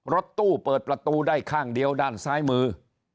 รถตู้เปิดประตูได้ข้างเดียวด้านซ้ายมือ